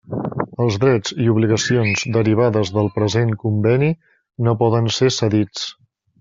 Els drets i obligacions derivades del present Conveni no poden ser cedits.